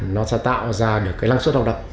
nó sẽ tạo ra được cái năng suất hậu độc